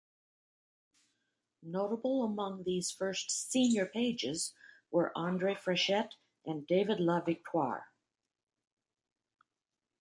Notable among these first "Senior Pages" were Andre Frechette and David Lavictoire.